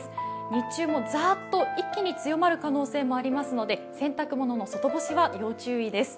日中もザーっと一気に強まる可能性がありますので洗濯物の外干しは要注意です。